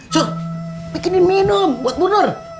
surt bikinin minum buat bu nur